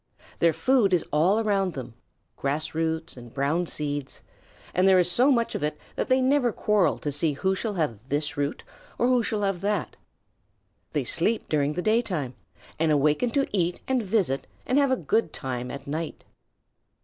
Their food is all around them grass roots and brown seeds and there is so much of it that they never quarrel to see who shall have this root and who shall have that. They sleep during the daytime and awaken to eat and visit and have a good time at night.